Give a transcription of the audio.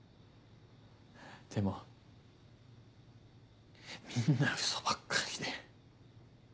でもみんなウソばっかりで。